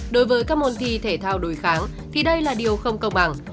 đối với các môn thi thể thao đối kháng thì đây là điều không công bằng